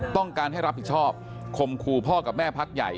ต้องการให้รับผิดชอบคมคู่พ่อกับแม่พักใหญ่